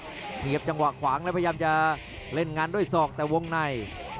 เหยียบจังหวะขวางแล้วพยายามจะเล่นงานด้วยศอกแต่วงใน